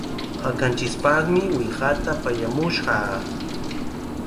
Hakanchikpaqmi qiwata pallamushqaa.